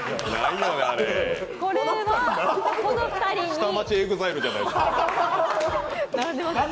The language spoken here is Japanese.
下町ＥＸＩＬＥじゃないですか。